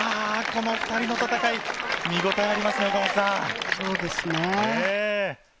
この２人の戦い、見応えありますね。